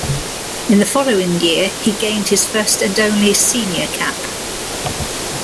In the following year, he gained his first and only senior cap.